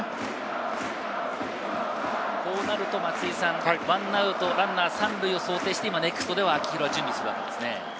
こうなると、１アウトランナー３塁を想定してネクストでは秋広が準備していますね。